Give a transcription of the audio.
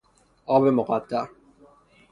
آب مقطر